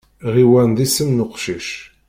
Ɣiwan d isem n uqcic.